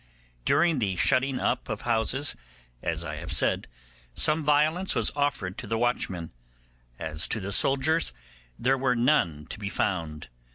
During the shutting up of houses, as I have said, some violence was offered to the watchmen. As to soldiers, there were none to be found.